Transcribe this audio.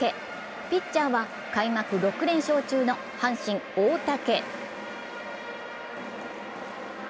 ピッチャーは開幕６連勝中の阪神・大竹。